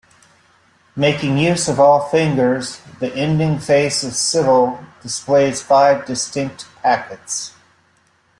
Making use of all fingers, the ending face of Sybil displays five distinct packets.